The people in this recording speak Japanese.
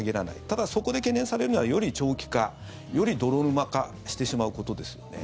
ただ、そこで懸念されるのはより長期化より泥沼化してしまうことですよね。